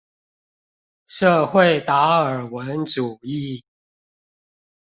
社會達爾文主義